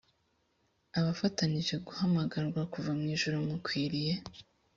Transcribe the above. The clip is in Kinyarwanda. abafatanije guhamagarwa kuva mu ijuru mukwiriye